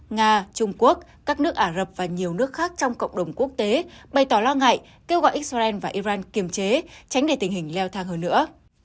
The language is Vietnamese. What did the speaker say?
nga trung quốc các nước ả rập và nhiều nước khác trong cộng đồng quốc tế bày tỏ lo ngại kêu gọi israel và iran kiềm chế tránh để tình hình leo thang hơn nữa